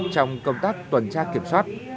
trong công tác tuần tra kiểm soát